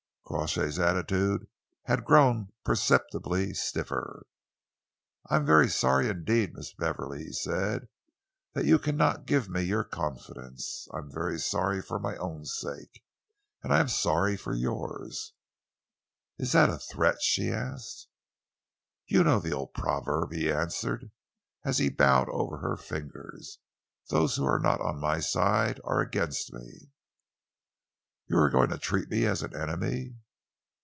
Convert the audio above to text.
Crawshay's attitude had grown perceptibly stiffer. "I am very sorry indeed, Miss Beverley," he said, "that you cannot give me your confidence. I am very sorry for my own sake, and I am sorry for yours." "Is that a threat?" she asked. "You know the old proverb," he answered, as he bowed over her fingers. "'Those who are not on my side are against me.'" "You are going to treat me as an enemy?"